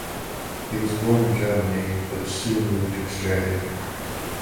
He was born in Germany but soon moved to Australia.